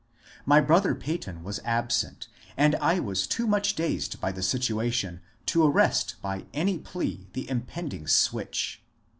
My brother Peyton was absent, and I was too much dazed by the situation to arrest by any plea the impending switch.